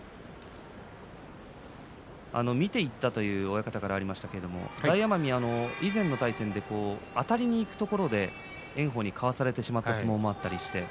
見ていったという親方からありましたけれど、これ前には以前の対戦であたりにいくところ、炎鵬にかわされてしまったことがあります。